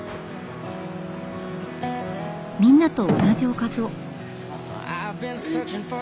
みんなと同じおかずを。